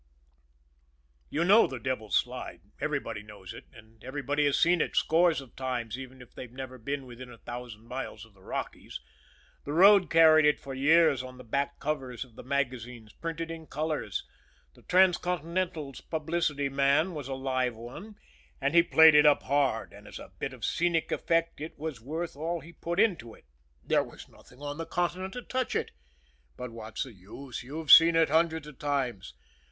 You know the Devil's Slide. Everybody knows it; and everybody has seen it scores of times, even if they've never been within a thousand miles of the Rockies the road carried it for years on the back covers of the magazines printed in colors. The Transcontinental's publicity man was a live one, he played it up hard, and as a bit of scenic effect it was worth all he put into it there was nothing on the continent to touch it. But what's the use? you've seen it hundreds of times.